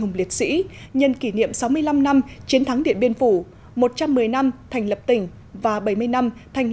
hùng liệt sĩ nhân kỷ niệm sáu mươi năm năm chiến thắng điện biên phủ một trăm một mươi năm thành lập tỉnh và bảy mươi năm thành